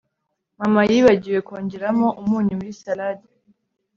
Mama yibagiwe kongeramo umunyu muri salade